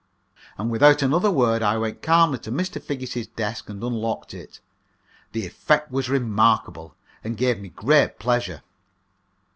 And without another word I went calmly to Mr. Figgis's desk and unlocked it. The effect was remarkable, and gave me great pleasure.